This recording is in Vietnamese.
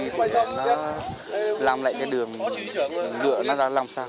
để nó làm lại cái đường băng